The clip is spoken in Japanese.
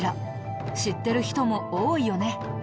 知ってる人も多いよね。